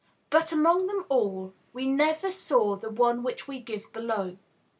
But among them all, we never saw the one which we give below.